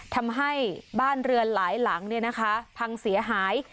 ทำให้บ้านเรือนหลายหลังเนี่ยนะคะพังเสียหาย